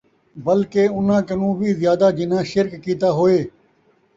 بلکہ اُنھاں کنوں وِی زیادہ جِنھاں شِرک کِیتا ہوئے،